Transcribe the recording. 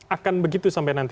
akan begitu sampai nanti